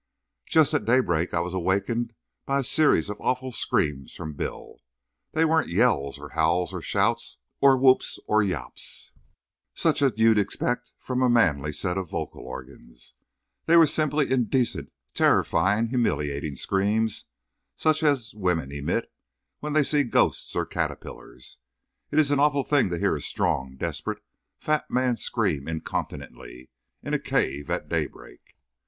Just at daybreak, I was awakened by a series of awful screams from Bill. They weren't yells, or howls, or shouts, or whoops, or yawps, such as you'd expect from a manly set of vocal organs—they were simply indecent, terrifying, humiliating screams, such as women emit when they see ghosts or caterpillars. It's an awful thing to hear a strong, desperate, fat man scream incontinently in a cave at daybreak.